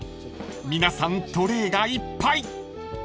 ［皆さんトレーがいっぱい］